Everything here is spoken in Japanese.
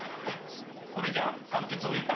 それじゃあ判決を言う。